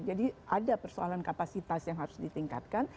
jadi ada persoalan kapasitas yang harus ditingkatkan